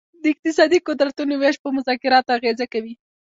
د اقتصادي قدرتونو ویش په مذاکراتو اغیزه کوي